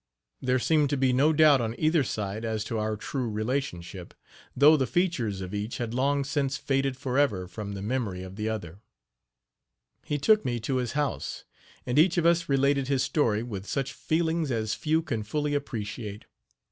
There seemed to be no doubt on either side as to our true relationship, though the features of each had long since faded forever from the memory of the other. He took me to his house; and each of us related his story with such feelings as few can fully appreciate.